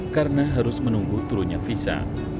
karena harus menunggu turunnya visa